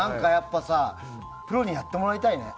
履けるしプロにやってもらいたいね。